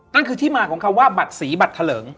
นั่นคือที่มาของคำว่าบัตรสีบัตรทะเลิง